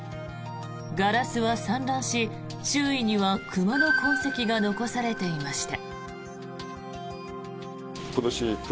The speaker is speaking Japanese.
ガラスは散乱し、周囲には熊の痕跡が残されていました。